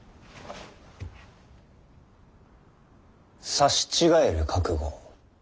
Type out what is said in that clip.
刺し違える覚悟